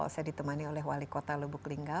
saya ditemani oleh wali kota lubuk lingga